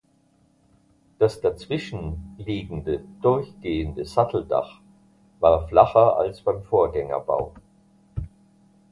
Das dazwischenliegende durchgehende Satteldach war flacher als beim Vorgängerbau.